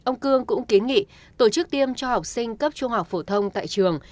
phương cũng kiến nghị tổ chức tiêm cho học sinh cấp trung học phổ thông tại trường